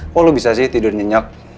kok lo bisa sih tidur nyenyak